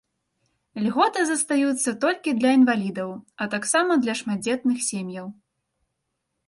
Льготы застаюцца толькі для інвалідаў, а таксама для шматдзетных сем'яў.